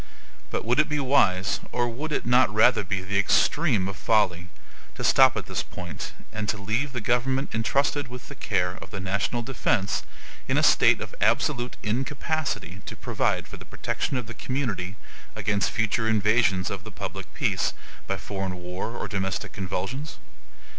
But would it be wise, or would it not rather be the extreme of folly, to stop at this point, and to leave the government intrusted with the care of the national defense in a state of absolute incapacity to provide for the protection of the community against future invasions of the public peace, by foreign war or domestic convulsions?